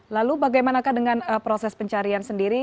lalu bagaimanakah dengan proses pencarian sendiri